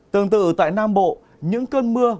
tương tự tại nam bộ những cơn mưa